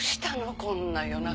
こんな夜中。